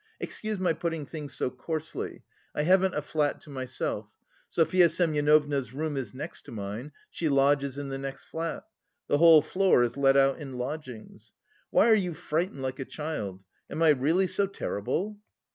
Excuse my putting things so coarsely. I haven't a flat to myself; Sofya Semyonovna's room is next to mine she lodges in the next flat. The whole floor is let out in lodgings. Why are you frightened like a child? Am I really so terrible?"